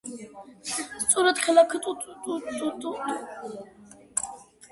სწორედ ქალაქ ტუტვილერში მატარებლის ლოდინში დაიბადა გიტარაზე მცოცავი დაკვრის ტექნიკა.